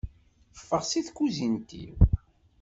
Ffeɣ si tkuzint-iw!